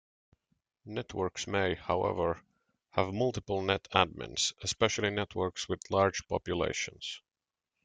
Networks may, however, have multiple netadmins - especially networks with large populations.